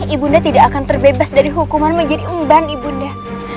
ibu nda tidak akan terbebas dari hukuman menjadi umban ibu nda